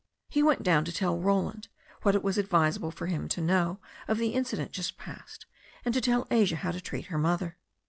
He went down to tell Roland what it was advisable for him to know of the incident just past, and to tell Asia how to treat her mother.